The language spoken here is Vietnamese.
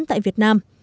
tại việt nam